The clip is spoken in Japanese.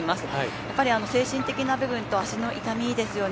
やっぱり精神的な部分と足の痛みですよね